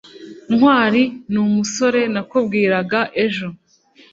ntwali numusore nakubwiraga ejo